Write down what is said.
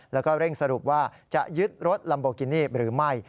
แล้วก็เร่งสรุปว่าจะยึดรถลัมโบกินี่หรือไม่